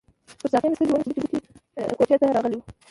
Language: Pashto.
پر ساقي مې سترګې ونښتې چې کوټې ته راغلی وو.